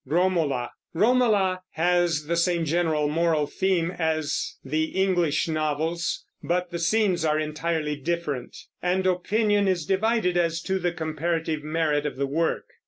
Romola has the same general moral theme as the English novels; but the scenes are entirely different, and opinion is divided as to the comparative merit of the work.